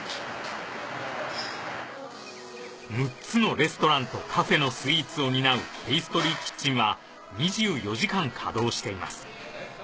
６つのレストランとカフェのスイーツを担うペイストリーキッチンは２４時間稼働しています